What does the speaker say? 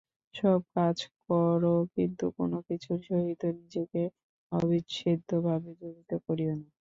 সব কাজ কর, কিন্তু কোন কিছুর সহিত নিজেকে অবিচ্ছেদ্যভাবে জড়িত করিও না।